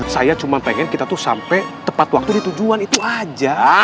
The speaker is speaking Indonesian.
saya cuma pengen kita tuh sampai tepat waktu di tujuan itu aja